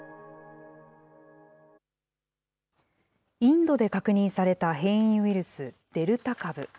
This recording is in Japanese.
インドで確認された変異ウイルス、デルタ株。